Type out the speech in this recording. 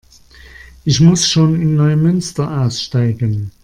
Ich muss schon in Neumünster aussteigen